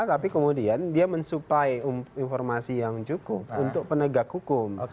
tapi kemudian dia mensuplai informasi yang cukup untuk penegak hukum